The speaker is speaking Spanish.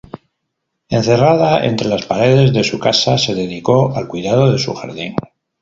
Encerrada entre las paredes de su casa, se dedicó al cuidado de su jardín.